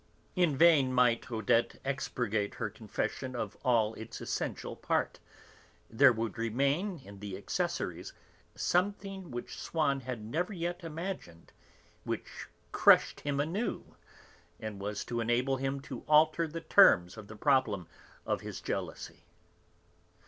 In vain might Odette expurgate her confession of all its essential part, there would remain in the accessories something which Swann had never yet imagined, which crushed him anew, and was to enable him to alter the terms of the problem of his jealousy.